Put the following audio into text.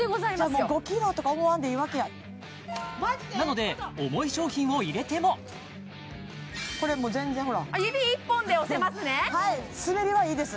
じゃあもう５ｋｇとか思わんでいいわけやなので重い商品を入れてもこれもう全然ほら指１本で押せますねはい滑りはいいです